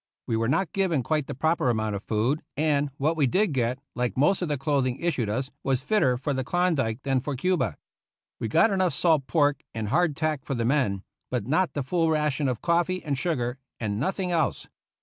We were not given quite the proper amount of food, and what we did get, like most of the clothing issued us, was fitter for the Klondyke than for Cuba. We got enough salt port and hardtack for the men, but not the full ration of coffee and sugar, and nothing else.